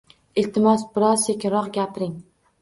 Iltimos, biroz sekinroq gapiring.